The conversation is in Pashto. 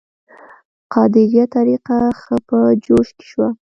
قادریه طریقه ښه په جوش کې شوه.